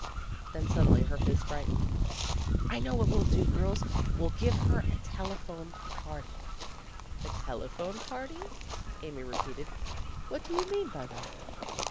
Then suddenly her face brightened. *' I know what we '11 do, girls ; we '11 give her a telephone party." "A" telephone party," Amy repeated. "What do you mean by that?"